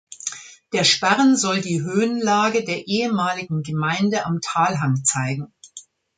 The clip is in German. Der Sparren soll die Höhenlage der ehemaligen Gemeinde am Talhang zeigen.